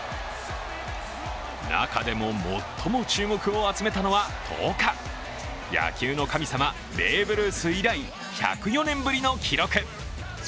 中でも最も注目を集めたのは１０日、野球の神様、ベーブ・ルース以来、１０４年ぶりの記録。